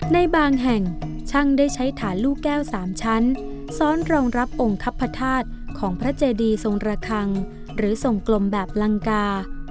ในบางแห่งช่างได้ใช้ฐานลูกแก้ว๓ชั้นซ้อนรองรับองค์คับพระธาตุของพระเจดีทรงระคังหรือทรงกลมแบบลังกา